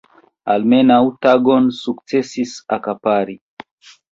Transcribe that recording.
Almenaŭ tagon sukcesis akapari.